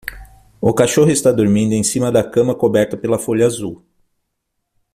O cachorro está dormindo em cima da cama coberta pela folha azul.